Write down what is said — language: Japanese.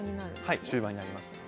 はい終盤になりますね。